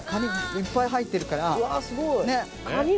いっぱい入ってるからねっ。